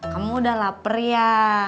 kamu udah lapar ya